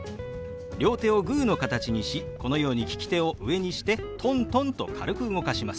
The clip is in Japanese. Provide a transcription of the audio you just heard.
両手をグーの形にしこのように利き手を上にしてトントンと軽く動かします。